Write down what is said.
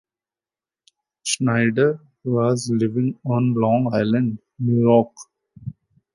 Schneider was living on Long Island, New York.